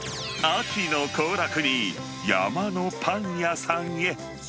秋の行楽に山のパン屋さんへ。